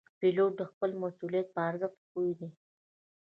پیلوټ د خپل مسؤلیت په ارزښت پوه دی.